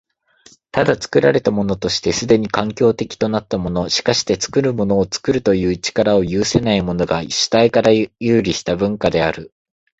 ただ、作られたものとして既に環境的となったもの、しかして作るものを作るという力を有せないものが、主体から遊離した文化である。